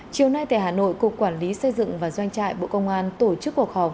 chiều nay tại hà nội cục quản lý xây dựng và doanh trại bộ công an tổ chức cuộc họp